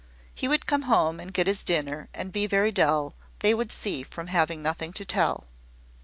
He would come home, and get his dinner, and be very dull, they would see, from having nothing to tell.